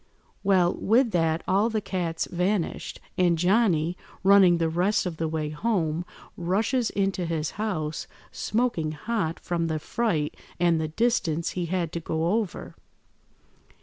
Well, with that all the cats vanished, and Johnny, running the rest of the way home, rushes into his house, smoking hot from the fright and the distance he had to go over.